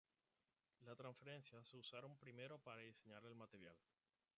Las transferencias se utilizaron primero para diseñar el material.